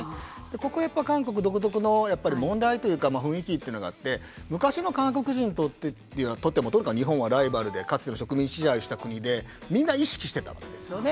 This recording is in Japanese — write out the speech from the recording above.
ここはやっぱり韓国独特の問題というか雰囲気というのがあって昔の韓国人にとってもとにかく日本はライバルでかつての植民地支配をした国でみんな意識してたわけですよね。